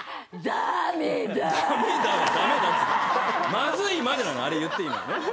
「まずい」までなのあれ言っていいのはね。